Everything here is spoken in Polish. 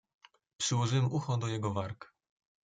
"Przyłożyłem ucho do jego warg."